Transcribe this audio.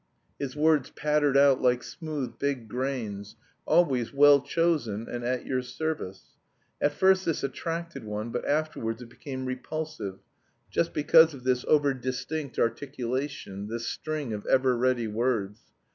His words pattered out like smooth, big grains, always well chosen, and at your service. At first this attracted one, but afterwards it became repulsive, just because of this over distinct articulation, this string of ever ready words.